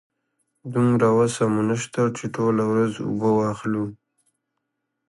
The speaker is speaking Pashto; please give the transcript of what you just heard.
دومره وسه مو نشته چې ټوله ورځ اوبه واخلو.